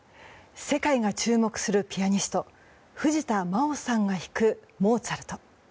世界が注目するピアニスト藤田真央さんが弾くモーツァルト。